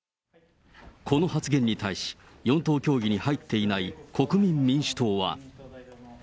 この発言に対し、４党協議に入っていない国民民主党は。